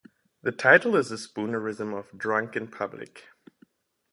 The title is a spoonerism of "Drunk in Public".